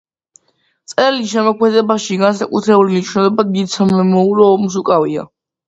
მწერლის შემოქმედებაში განსაკუთრებული მნიშვნელობა დიდ სამამულო ომს უკავია.